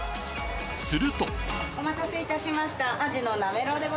するとお待たせいたしました。